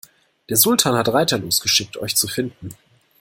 Der Sultan hat Reiter losgeschickt, euch zu finden.